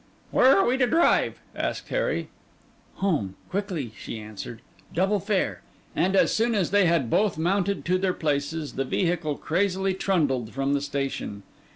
'Where are we to drive?' asked Harry. 'Home, quickly,' she answered; 'double fare!' And as soon as they had both mounted to their places, the vehicle crazily trundled from the station.